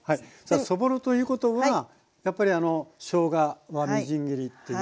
そぼろということはやっぱりしょうがはみじん切りという感じですね？